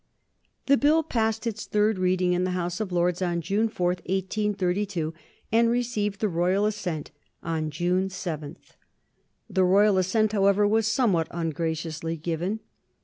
The Bill passed its third reading in the House of Lords on June 4, 1832, and received the royal assent on June 7. The royal assent, however, was somewhat ungraciously given.